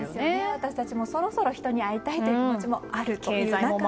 私たちもそろそろ人に会いたい気持ちもある中で。